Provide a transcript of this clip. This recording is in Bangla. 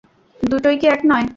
দুটোই কি এক নয়?